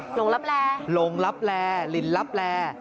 หลงลับแลหลงลับแลลินลับแล